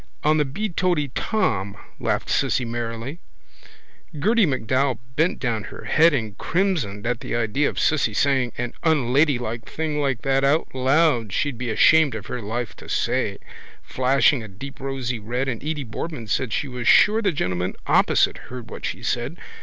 —On the beeoteetom, laughed Cissy merrily. Gerty MacDowell bent down her head and crimsoned at the idea of Cissy saying an unladylike thing like that out loud she'd be ashamed of her life to say, flushing a deep rosy red, and Edy Boardman said she was sure the gentleman opposite heard what she said.